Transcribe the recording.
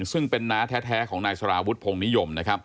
ซึ่งเป็นน้าแท้ของนายสารวุฒิพงนิยม